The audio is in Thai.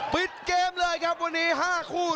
ปิดเกมเลยครับวันนี้๕คู่